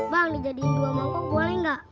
bang dijadiin dua mangkong boleh nggak